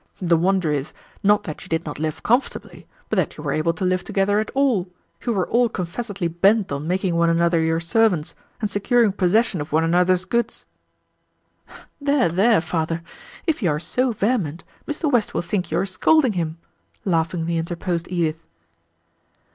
The wonder is, not that you did not live more comfortably, but that you were able to live together at all, who were all confessedly bent on making one another your servants, and securing possession of one another's goods. "There, there, father, if you are so vehement, Mr. West will think you are scolding him," laughingly interposed Edith.